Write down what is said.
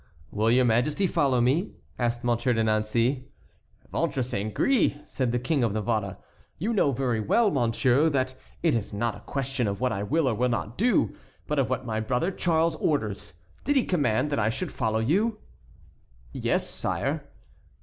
"Will your majesty follow me?" asked Monsieur de Nancey. "Ventre saint gris!" said the King of Navarre, "you know very well, monsieur, that it is not a question of what I will or will not do, but of what my brother Charles orders. Did he command that I should follow you?" "Yes, sire."